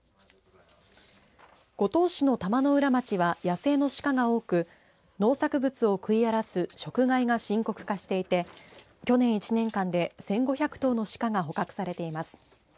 五島市の玉之浦町は野生のシカが多く農作物を食い荒らす食害が深刻化していて去年１年間で１５００頭のシカが捕獲されています。